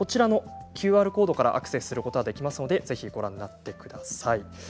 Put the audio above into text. ＱＲコードからアクセスすることができますのでご覧になってください。